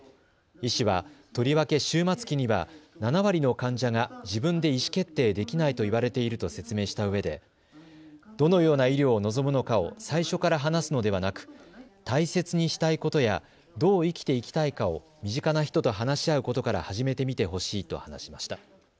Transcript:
医師は、とりわけ終末期には７割の患者が自分で意思決定できないと言われていると説明したうえでどのような医療を望むのかを最初から話すのではなく大切にしたいことやどう生きていきたいかを身近な人と話し合うことから始めてみてほしいと話しました。